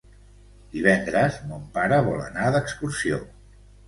Divendres mon pare vol anar d'excursió.